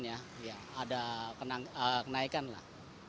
ya ada kenaikan lah